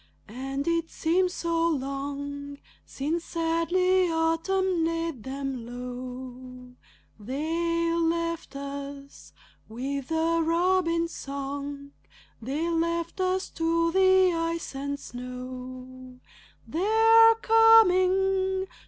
And it seems so long Since sadly autumn laid them low. They left us with the robin's song, They left us to the ice and snow. They're coming!